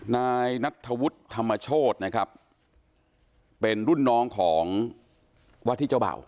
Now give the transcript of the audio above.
นายนัทธวุฒิธรรมโชธนะครับเป็นรุ่นน้องของวาที่เจ้าเบ่า